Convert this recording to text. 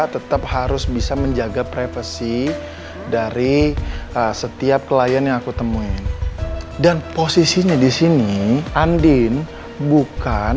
tetap harus bisa menjaga privasi dari setiap klien yang aku temuin dan posisinya di sini andin bukan